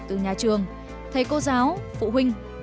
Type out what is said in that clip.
từ nhà trường thầy cô giáo phụ huynh